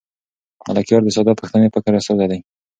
ملکیار د ساده پښتني فکر استازی دی.